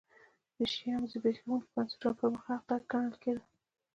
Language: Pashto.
د شیام زبېښونکي بنسټونه پرمختګ ګڼل کېده.